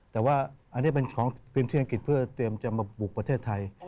แต่ว่าอันนี้เป็นของพื้นที่อังกฤษเพื่อเตรียมจะมาบุกประเทศไทย